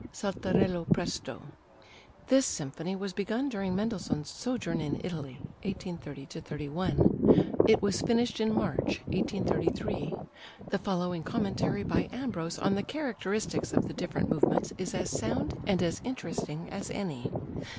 Saltarello: Presto This symphony was begun during Mendelssohn's sojourn in Italy (1830 31); it was finished in March, 1833. The following commentary by Ambros on the characteristics of the different movements is as sound and as interesting as any